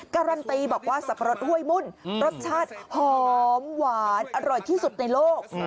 การันตีบอกว่าสับปะรดห้วยมุ่นรสชาติหอมหวานอร่อยที่สุดในโลก